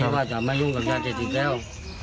ที่ว่าจะไม่ยุ่งกับอย่างเด็ดอีกแล้ว